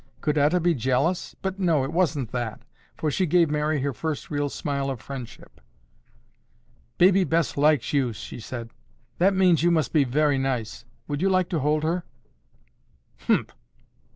Could Etta be jealous? But no, it wasn't that, for she gave Mary her first real smile of friendship. "Baby Bess likes you," she said. "That means you must be very nice. Would you like to hold her?" "Humph!"